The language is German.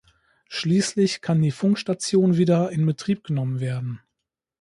Schließlich kann die Funkstation wieder in Betrieb genommen werden.